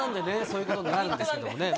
そういうことになるんですけどね